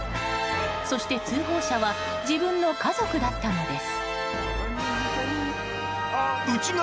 そして、通報者は自分の家族だったのです。